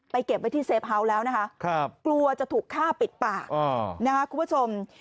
เก็บไว้ที่เซฟเฮาส์แล้วนะคะกลัวจะถูกฆ่าปิดปากนะคะคุณผู้ชม